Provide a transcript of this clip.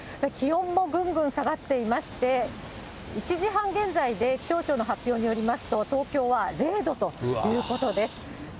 気温もぐんぐん下がっていまして、１時半現在で、気象庁の発表によりますと、東京は０度ということです。